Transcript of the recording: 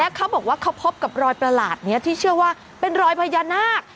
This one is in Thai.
เขาบอกว่าเขาพบกับรอยประหลาดนี้ที่เชื่อว่าเป็นรอยพญานาค